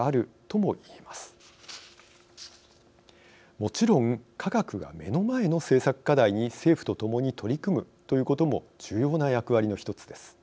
もちろん科学が目の前の政策課題に政府と共に取り組むということも重要な役割の１つです。